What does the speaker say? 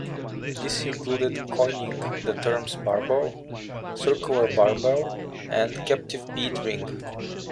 This included coining the terms "barbell", "circular barbell", and "captive bead ring".